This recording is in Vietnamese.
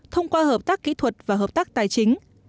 thông qua hợp tác kỹ thuật và hợp tác tài chính